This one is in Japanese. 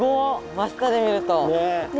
真下で見ると。ね！